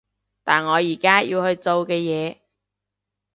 但我而家要去做嘅嘢